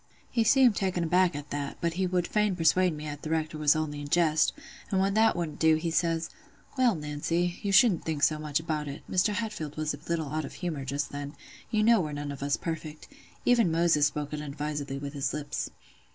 "He seemed taken aback at that; but he would fain persuade me "at the Rector was only in jest; and when that wouldn't do, he says, 'Well, Nancy, you shouldn't think so much about it: Mr. Hatfield was a little out of humour just then: you know we're none of us perfect—even Moses spoke unadvisedly with his lips.